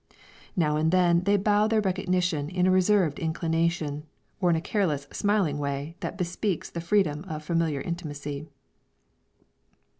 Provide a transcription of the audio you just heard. Now and then they bow their recognition in a reserved inclination, or in a careless smiling way that bespeaks the freedom of familiar intimacy.